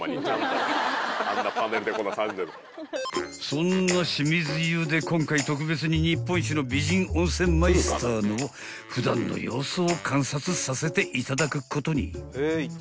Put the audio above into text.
［そんな清水湯で今回特別に日本一の美人温泉マイスターの普段の様子を観察させていただくことに］